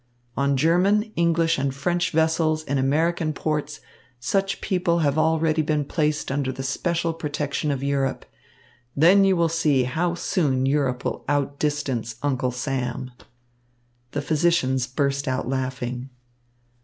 On German, English and French vessels in American ports, such people have already been placed under the special protection of Europe. Then you will see how soon Europe will outdistance Uncle Sam." The physicians burst out laughing.